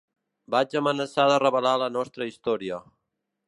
Vaig amenaçar de revelar la nostra història.